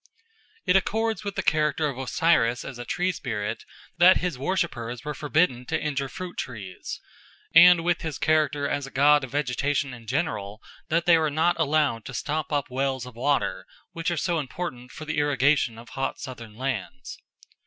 It accords with the character of Osiris as a tree spirit that his worshippers were forbidden to injure fruit trees, and with his character as a god of vegetation in general that they were not allowed to stop up wells of water, which are so important for the irrigation of hot southern lands.